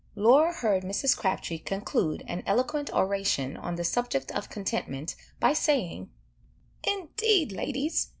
Laura heard Mrs. Crabtree conclude an eloquent oration on the subject of contentment, by saying, "Indeed, ladies!